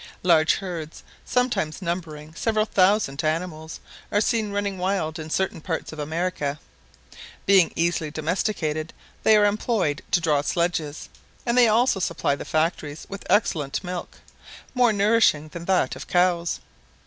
Large herds, sometimes numbering several thousand animals, are seen running wild in certain parts of America. Being easily domesticated, they are employed to draw sledges; and they also supply the factories with excellent milk, more nourishing than that of cows.